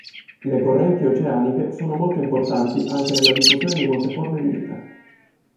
Le correnti oceaniche sono molto importanti anche nella diffusione di molte forme di vita.